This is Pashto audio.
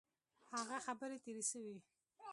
هغه خبري تیري سوې.